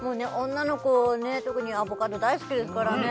女の子ね特にアボカド大好きですからね